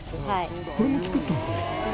これも作ったんですか？